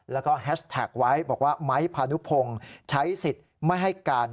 แล้วก็แฮชแท็กไว้บอกว่าไม้พานุพงศ์ใช้สิทธิ์ไม่ให้การ